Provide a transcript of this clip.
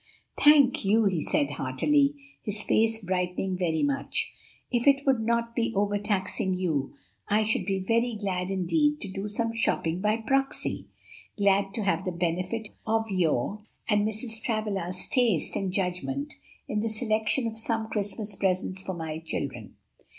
"Thank you," he said heartily, his face brightening very much; "if it would not be overtaxing you, I should be very glad indeed to do some shopping by proxy; glad to have the benefit of your and Mrs. Travilla's taste and judgment in the selection of some Christmas presents for my children.